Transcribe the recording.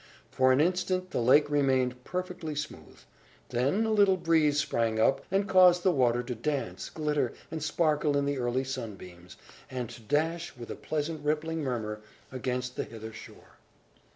For an instant, the lake remained perfectly smooth. Then a little breeze sprang up, and caused the water to dance, glitter, and sparkle in the early sunbeams, and to dash, with a pleasant rippling murmur, against the hither shore.